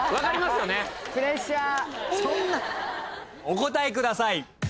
お答えください。